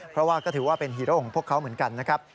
เพราะว่าก็ถือว่าเป็นฮีโร่ของพวกเขาเหมือนกันนะครับ